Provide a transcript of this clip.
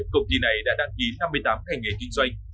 công ty này đã đăng ký năm mươi tám ngành nghề kinh doanh